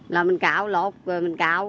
là mình cạo lột rồi mình cạo